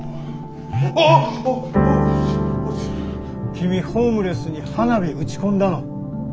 君ホームレスに花火打ち込んだの？